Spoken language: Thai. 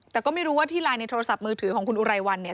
แต่ก็ไม่รู้ว่าที่ไลน์ในโทรศัพท์มือถือของคุณอุไรวันเนี่ย